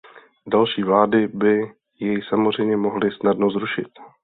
Další vlády by jej samozřejmě mohly snadno zrušit.